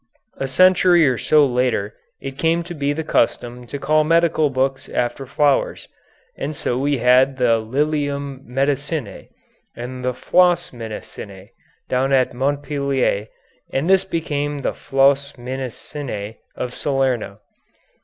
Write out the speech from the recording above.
A century or so later it came to be the custom to call medical books after flowers, and so we had the "Lilium Medicinæ" and the "Flos Medicinæ" down at Montpellier, and this became the "Flos Medicinæ" of Salerno.